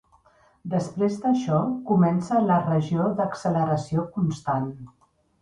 Després d'això, comença la regió d'acceleració constant.